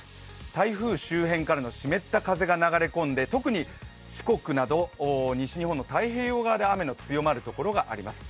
台風周辺からの湿った風が流れ込んで特に四国など西日本の太平洋側で雨の強まるところがあります。